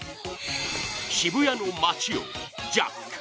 渋谷の街をジャック